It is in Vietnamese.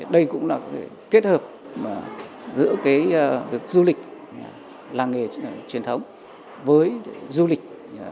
đây cũng là kết hợp giữa việc du lịch làng nghề truyền thống với du lịch